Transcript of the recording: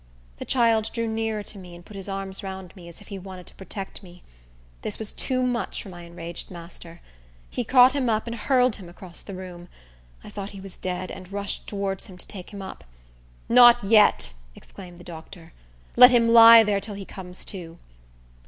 The child drew nearer to me, and put his arms round me, as if he wanted to protect me. This was too much for my enraged master. He caught him up and hurled him across the room. I thought he was dead, and rushed towards him to take him up. "Not yet!" exclaimed the doctor. "Let him lie there till he comes to."